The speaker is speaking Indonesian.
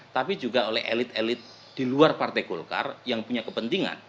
tapi juga oleh elit elit di luar partai golkar yang punya kepentingan